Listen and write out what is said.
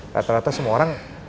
rata rata semua orang